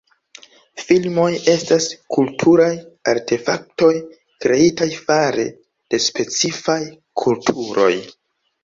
Filmoj estas kulturaj artefaktoj kreitaj fare de specifaj kulturoj.